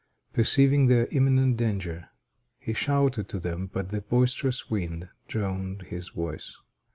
Perceiving their imminent danger, he shouted to them, but the boisterous wind drowned his voice.